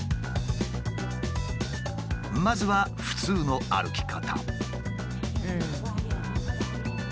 まずは普通の歩き方。